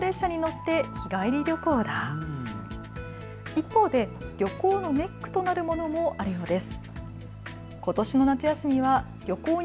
一方で旅行のネックとなるものもあるようです。